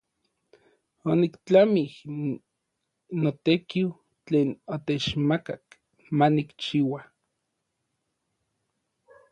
Oniktlamij n notekiu tlen otechmakak ma nikchiua.